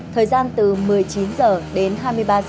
thời gian từ một mươi chín h đến hai mươi ba h